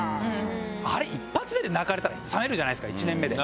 あれ一発目で泣かれたら冷めるじゃないですか１年目で。